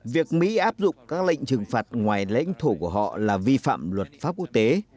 việc mỹ áp dụng các lệnh trừng phạt ngoài lãnh thổ của họ là vi phạm luật pháp quốc tế